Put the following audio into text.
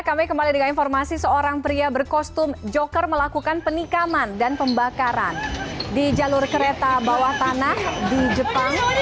kami kembali dengan informasi seorang pria berkostum joker melakukan penikaman dan pembakaran di jalur kereta bawah tanah di jepang